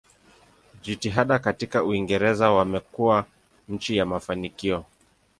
Jitihada katika Uingereza wamekuwa chini ya mafanikio.